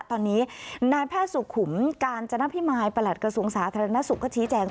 ตอนนี้นายแพทย์สุขุมกาญจนพิมายประหลัดกระทรวงสาธารณสุขก็ชี้แจง